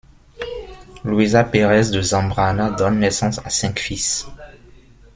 Luisa Perez de Zambrana donne naissance à cinq fils.